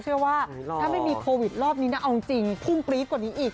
เชื่อว่าถ้าไม่มีโควิดรอบนี้นะเอาจริงพุ่งปรี๊ดกว่านี้อีก